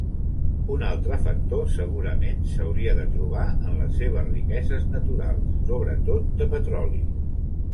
Un altre factor segurament s'hauria de trobar en les seves riqueses naturals, sobretot de petroli.